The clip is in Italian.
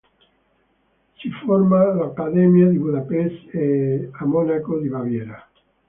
Si forma all'Accademia di Budapest e a Monaco di Baviera.